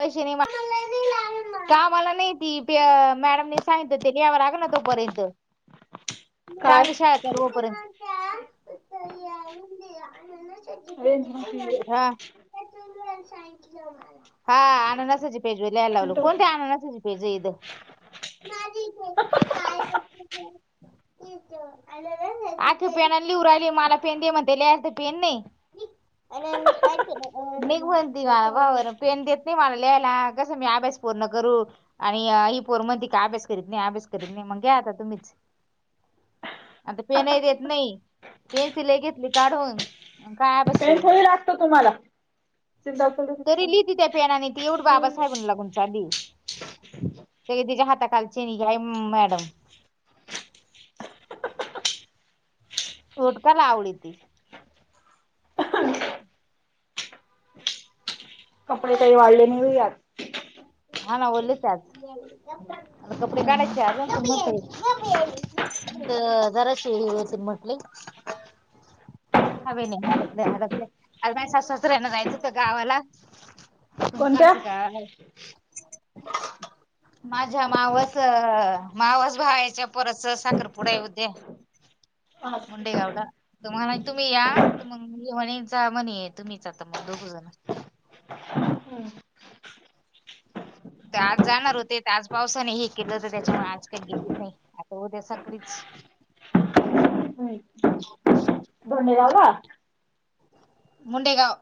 पसे नाही कामला नाही ती पे मॅडम न सांगितल ते लिहाव लागेल लाग ना तोपर्यंत काय चांगली शाळ तर होऊपर्यंत रेंज नव्हती येत. हा हा आननसाची पेजवर लिहायला लावलो चिंतावणी कोणत अननसाची [unintelligible] आ ल लल आखी पेन लिऊ राहिली मला पेन दे म्हणते त पेन नाही निघ आणि माहिती का कोणाला निघ म्हनती मला पहा बर पन देत नाही मला लिहायला कसं मी अभ्यास पूर्ण करू आणि ही पोर म्हण त का अभ्यास करीत नाही अभ्यास करीत नाही मग घ्या आता तुम्हीच आता पेनही देत नाही पेन्सिल मी घेतली काढून. अन काय अभ्यास पेन करू थोडी लागतो तुम्हाला? तरी लिहिती त्या पेनाने ती एवढं बाबासाहेबण लागून चाली सगळे तिच्या हाताखालचे मॅडम तोट प [unintelligible] लावडी ती कपडे काही वाढले नाही हो यात हा ना ओले त्याचे अ कपडे काढायचे मग जराशी यव तन म्हटली हवे नाही हडकले हडकले आता काय सासूसारे जायचं होत गावाला कोणत्या? सुुमकाच काय [unintelligible] माझ्या मावास मावास भावाच्या पोराचा साखरपुडा ये उद्या मुंडेगावला तुम्हाला तुम्ही या मग म्हणीचा म्हनी आहे तुम्हीचा मग दोघ जण तर आज जाणार होते आज पावसाने हे केलं होत त्याच्यामुळे आज काही गेले नाही. आता उद्या सकाळीच हम्म धोडेगावला मुंडेगाव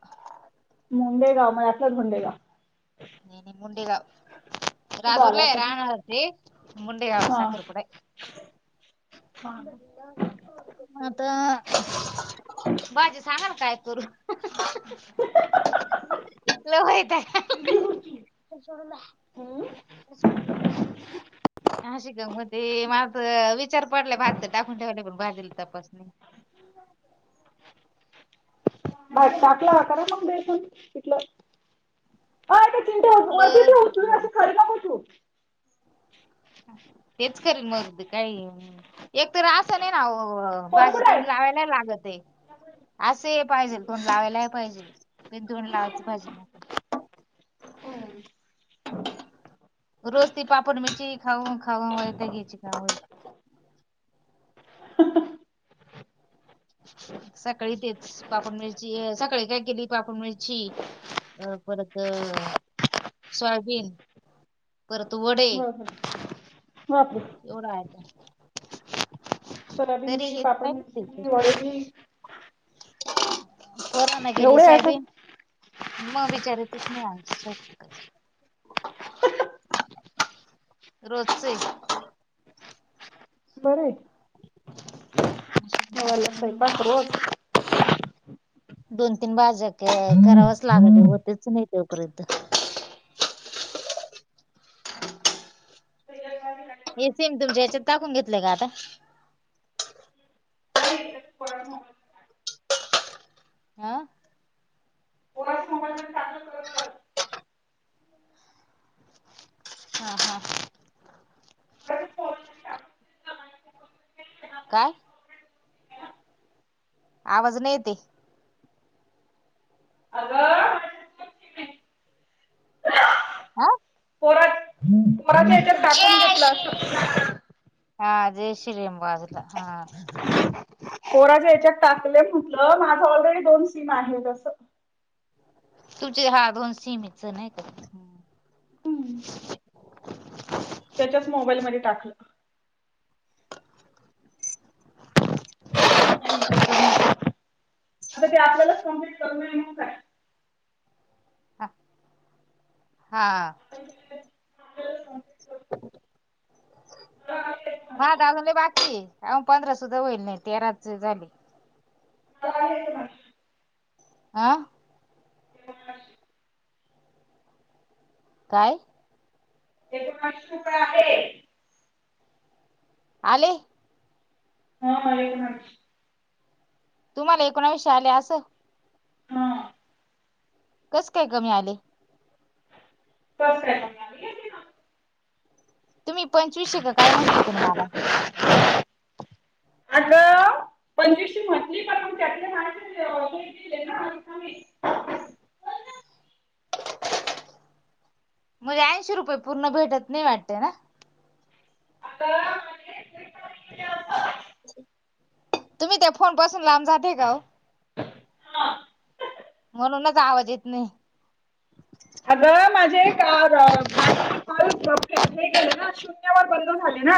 मुंडेगाव मला वाटलं धोडेगाव हं हं मुंडेगाव कुठं आला राजूर्ला ये आता राहणार ते मुंडेगाव साखरपुडा आये. हा. आता भाजी सांगाल काय करु? लव हाय काय? क सड [unintelligible] [unintelligible] आशी गंमते म आस विचार पडलाय भात तर टाकून ठेवले पण भाजीला तपास बात टाकला होता मंग [unintelligible] पिटलं [unintelligible] हा पिठलं पिठलं. ठेवू. हम तेच करीन मरुदे काय एक तर आस नाही राहावं. हो फोन भाजी कुठं आहे? तोंड लावायला लागतय. असं हे पाहिजे तोंड लावायला हे पाहिजे पीनं तोंड लावायच भाजी ला रोज ती पापड मिरची खाऊन खाऊन वैताग यायची खाऊन. सकाळी तेच पापड मिरची सकाळी काय केली पापड मिरची अ परत अ सोयाबीन परत व वरण बाप रे! एवढं आयटमं सोयाबीन तरी बी, हेच पापड काय नं मिरची ते कर बी, वडे बी पोरांना केली एवढे आहे का? सोयबीन मग विचारितच नाही आमच स्वयंपाकचं रोजचं ये बरंय. खायाला स्वयंपाक रोज दोन तीन भाज्या क करावच लागत होतच नाय तोपर्यंत हे सीम तुमच्या याच्यात टाकून घेतलंय का आता. नाही [unintelligible] हा हा हा काय? आवाज नाय येत ये. अगं पोरा पोराच्या याच्यात टाकून घेतला अस हा जयश्री राम वाजल हा पोराच्या याच्यात टाकलय म्हटलं माझा ऑलरेडी दोन सीन आहेत अस तुमचे हा दोन सीमे च नाय का हम्म त्याच्याच मोबाईलमध्ये टाकलं. आता ते आपल्यालाच कम्प्लीट करनं ये मंग काय? हा [inaudible] आपल्यालाचं कंप्लिट करावं लागेल. माझं त अजून लय बाकी ये. अ पंधरा सुद्धा होईल नाय तेराच झाले. आज आलेले नाय आं काय? त्याज पाचशे रुपये आहे. आले. हा आले कां नाय. तुम्हाला एकोणवीसशे आले असं हा कस काय कमी आले. [unintelligible] तुम्ही पंचवीशे क काय म्हटले होते ना माला पंचवीशे म्हटली पण त्यातले नाय केले ना [unintelligible] मजे ऐंशी रुपये पूर्ण भेटत नाय वाटत ना. तुम्ही त्या फोन पासून लांब जाते का ओ म्हणूनच आवाज येत नई. अग माझे काल अ बावीस [unintelligible] हे केले ना असे शून्यावर बंंद झाले ना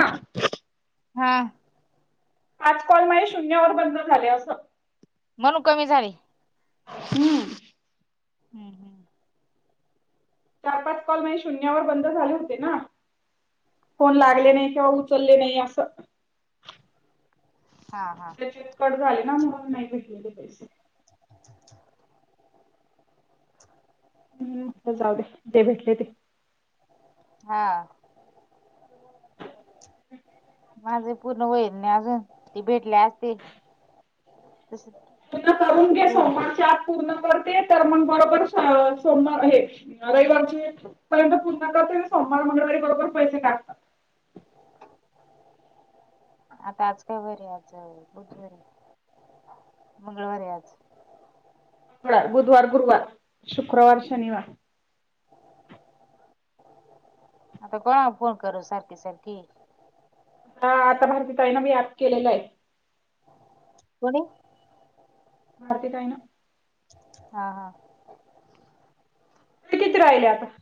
हा आज कॉल माजे शून्यावर बंद झाले असं म्हणू कमी झाली हम्म हम् हम चार पाच कॉल म्हे शून्यावर बंद झाले होते ना फोन हा लागले हा नाही किंवा चालले नाही असं हा हा कड झाले ना म्हणून नाही भेटलेले पैसे हम् जाऊ दे ते भेटले ते हा माझे पूर्ण होईना ग अजून ती भेटले असते त तुझ करून घे सोमवारच्या पूर्ण करते तर मग बरोबर सोमवार हे रविवारचे पर्यंत पूज करते सोमवार मंगळवारी बरोबर पैसे टाकात आता आज काय बर आज मंगळवारी आज बुधवार गुरुवार शुक्रवार शनिवार आता कोणा फोन करू सारखी सारखी [inaudible] कोणी भारती ताई ना हा हा ते किती राहिले आता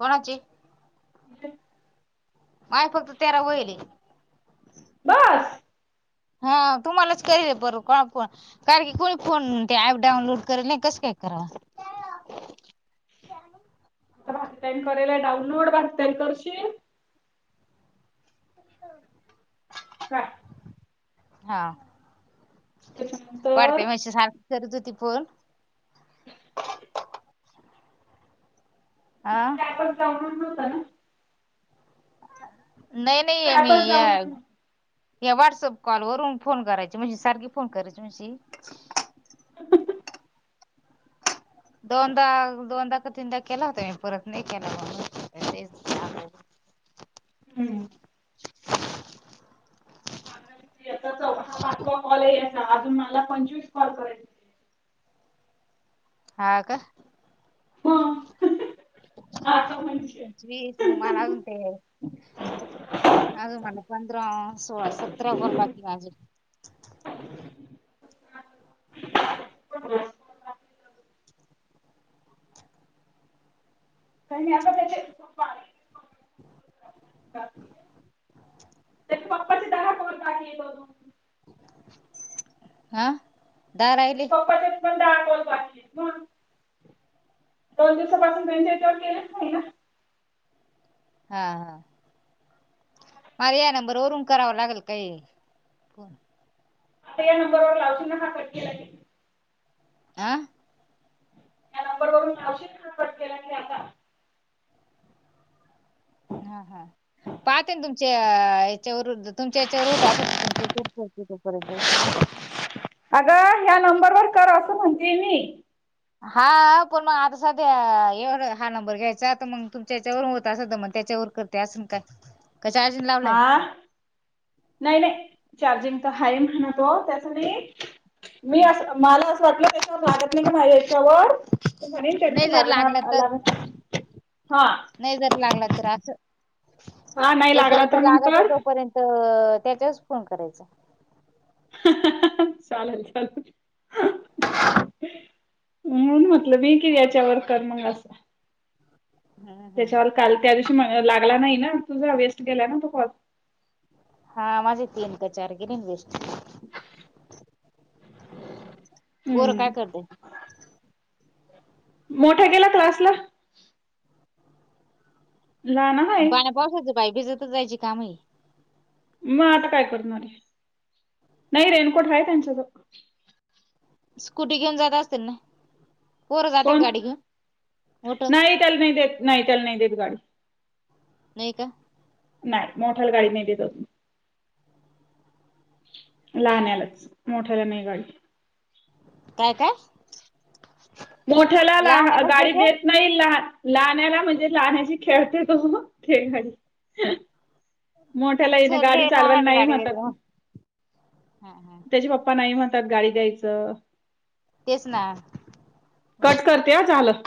कोणाची ह [unintelligible] आ फक्त तेरा व्हायलय बस हा तुम्हालाच करू का फोन [inaudible] आता बाकी टाईम करालय डाऊनलोडच असतय करशील का हा त्याच्यानंतर पडतेय मेसेज सारखी करत होती फोल आह होता ना नाही नाही आहे मी ऍपच या डाउनलोड नव्हता. या व्हॉट्सअप कॉलवररून फोन करायची म्हणजे सारख फोन करायची म्हणजे ह दोनदा दोनदा का तीनदा केला होता मी परत नाही केला तेच हम्म या चा हा चौथ्या पाचवा कॉल आहे यायचा अजून मला पंचवीस कॉल करेल हा का हां आता म्हणशिल प्लीझ मला अजुन ते अजून मला पंधरा सोळा सतरा काॅल बाकी अजून काय नाही आता त्याचे खू त्याच्या पप्पाची दहा [unintelligible] न काेतो हा दहा त्याचे राहिले पप्पाचे पण दहा कॉल बाकी आहेत मग दोन दिवसापासून त्यांच्या ईथवर ग केलेच नाही ना हा हा मला या नंबरवरून करावं लागेल काही आता या नंबरवर लावून ना हा पट केला आह या नंबर वरून लावशिल का कट केला की आता हा हा पाहते ना तुमच्या याच्यावरुन तुमच्या याच्यावर होत असल तुमच्या यचावर अग ह्या नंबर वर कर असं म्हणते मी हा पण मग आता सध्या एवढं हा नंबर घ्यायचा त मग तुमच्या त्याच्यावर होत असेल तर मग त्याच्यावर करते असून काय कचार जिल्हा हा नाही नाही चार्जिंग तर हाय म्हणतो त्याचनही मी असं मला असं वाटलं त्याच्यावर लागत नाही का माझ्या यच्यावर त्य म्हणे नाही त्यादिवशी जर लागला लागणार तर लागना हा नाही जर लागला तर असं हा नाही लागला जोपर्यंत तर मग लागत आहे कर तोपर्यंत तर त्याच्याच फोन करायचा चालल चालल म्हणून म्हटलं मी की याच्यावर कर मग असं हम्म हम्म. त्याच्यावर काल त्या दिवशी म्हणे लागला नाही ना तुझा वेस्ट गेला ना तो कॉल हा माझे तीन का चार गेले वेस्ट पोर काय हम्म करत्या मोठा गेला क्लासला लहाना हाये पावसाचेबाई भिजतच जायची काम ये म आता काय करणारे नाही रेनकोट आहे त्यांच्या क स्कुटी घेऊन जात असतील ना पोर जात्याका गाडी घेऊन मोठं चल नाही देत नाही त्या ला नाही देत गाडी नही का नाय मोठ्या ला गाडी नाही देत अजून लहाण्यालाच मोठ्याला नाही गाडी काय काय मोठ्याला लहा लहानालाच गाडी देते देत नाही लहान लाण्याला म्हणजे लाण्याची खेळते तो खेळ गाडी मोठ्याला ते हे गाडी सोडले चालवायला लहानाला नाही गाडी देते म्हणतात मग. हा हा त्याचे पप्पा नाही म्हणतात गाडी द्यायचं तेच ना कट करते ह झालं